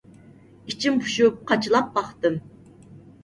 ئىچىم پۇشۇپ قاچىلاپ باقتىم.